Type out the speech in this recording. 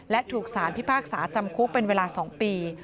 และถูกสารพิพากษาจำคุกเป็นเวลา๒ปี